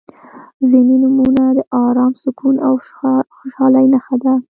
• ځینې نومونه د ارام، سکون او خوشحالۍ نښه ده.